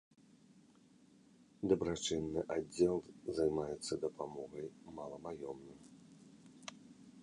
Дабрачынны аддзел займаецца дапамогай маламаёмным.